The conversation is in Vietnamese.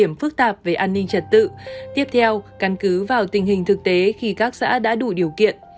điểm phức tạp về an ninh trật tự tiếp theo căn cứ vào tình hình thực tế khi các xã đã đủ điều kiện